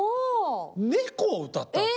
「猫」を歌ったわけ。